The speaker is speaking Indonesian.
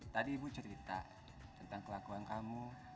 tadi ibu cerita tentang kelakuan kamu